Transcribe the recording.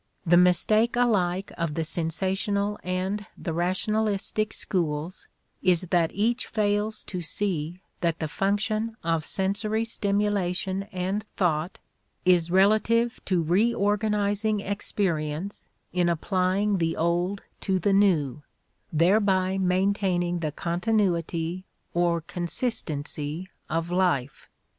The mistake alike of the sensational and the rationalistic schools is that each fails to see that the function of sensory stimulation and thought is relative to reorganizing experience in applying the old to the new, thereby maintaining the continuity or consistency of life.